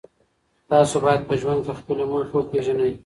تاسو باید په ژوند کې خپلې موخې وپېژنئ.